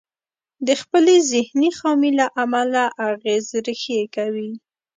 د خپلې ذهني خامي له امله اغېز ريښې کوي.